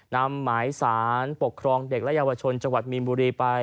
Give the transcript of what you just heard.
นำหมายสารปกครองเด็กและเยาวชนจังหวัดมีนบุรีไป